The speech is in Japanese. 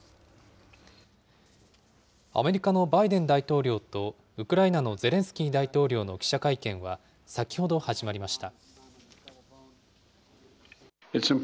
アメリカのバイデン大統領とウクライナのゼレンスキー大統領の記者会見は、先ほど始まりました。